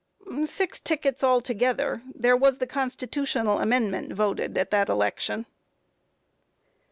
A. Six tickets altogether; there was the Constitutional Amendment voted at that election.